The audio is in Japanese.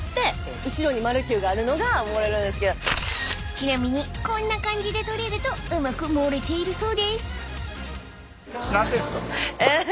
［ちなみにこんな感じで撮れるとうまく盛れているそうです］えっ？